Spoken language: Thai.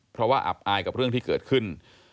เพราะว่าอับอายกับเรื่องที่เกิดขึ้น